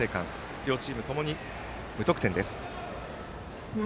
両チームともに無得点です。